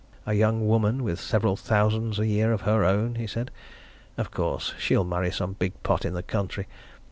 "A young woman with several thousands a year of her own!" he said. "Of course, she'll marry some big pot in the county.